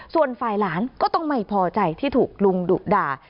ส่วนฝ่ายหลานก็ต้องไม่พอใจที่ถูกลุงดุด่า